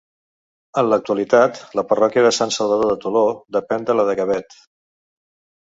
En l'actualitat, la parròquia de Sant Salvador de Toló depèn de la de Gavet.